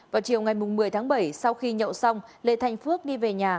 vào chiều ngày một mươi tháng bảy sau khi nhậu xong lê thành phước đi về nhà